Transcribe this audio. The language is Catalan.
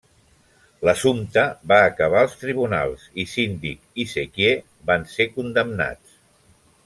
L'assumpte va acabar als tribunals i Síndic i sequier van ser condemnats.